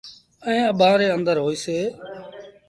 ائيٚݩٚ اڀآنٚ ري اندر هوئيٚسي۔